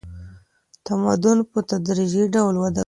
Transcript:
تمدن په تدریجي ډول وده کوي.